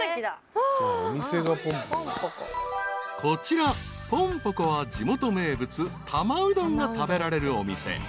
［こちらぽんぽこは地元名物多摩うどんが食べられるお店］